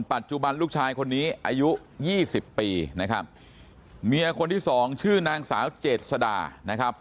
ปัจจุบันลูกชายคนนี้อายุยี่สิบปีนะครับเมียคนที่สองชื่อนางสาวเจษดานะครับ